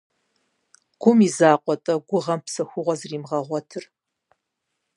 Гум и закъуэ-тӏэ гугъэм псэхугъуэ зримыгъэгъуэтыр?